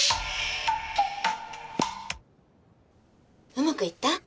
「うまくいった？」。